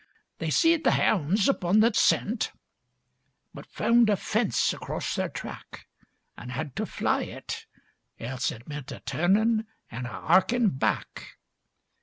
They seed the 'ounds upon the scent, But found a fence across their track, And 'ad to fly it; else it meant A turnin' and a 'arkin' back.